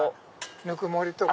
ぬくもりとか。